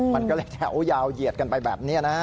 มันก็เลยแถวยาวเหยียดกันไปแบบนี้นะฮะ